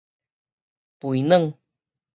肥軟